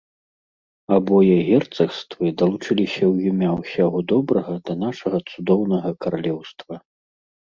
Абое герцагствы далучыліся ў імя ўсяго добрага да нашага цудоўнага каралеўства.